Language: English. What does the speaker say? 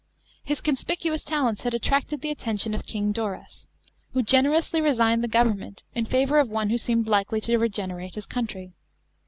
* His conspicuous talents had attracted the attention of King Duras, who generously resigned the government in favour of one who seemed likely to regenerate his country.